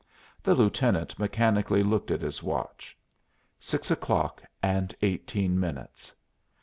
The lieutenant mechanically looked at his watch. Six o'clock and eighteen minutes.